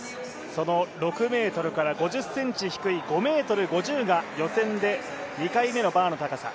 その６ｍから５０ｃｍ低い５ｍ５０が予選で２回目のバーの高さ。